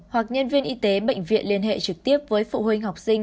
hoặc nhân viên y tế bệnh viện liên hệ trực tiếp với phụ huynh học sinh